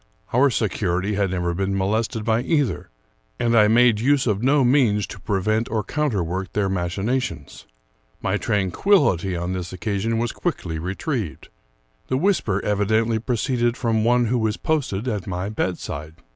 Our security had never been molested by either, and I made use of no means to pre vent or counterwork their machinations. My tranquillity on this occasion was quickly retrieved. The whisper evi dently proceeded from one who was posted at my bedside.